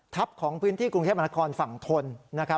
ทัพของพื้นที่กรุงเทพมนาคมฝั่งธนนะครับ